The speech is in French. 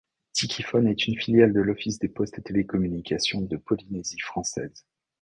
Tikiphone est une filiale de l'Office des Postes et télécommunications de Polynésie française.